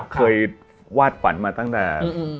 เคยวาดฝันมาตั้งแต่